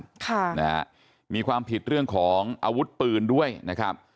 ตอนนี้เขาจะเข้าไปในบ้านมีความผิดเรื่องของอาวุธปืนด้วยนะครับ